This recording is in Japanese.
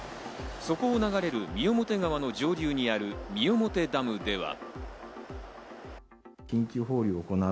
そこを流れる三面川の上流にある三面ダムでは。